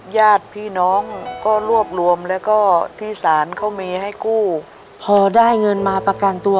ญาติพี่น้องก็รวบรวมแล้วก็ที่ศาลเขามีให้กู้พอได้เงินมาประกันตัว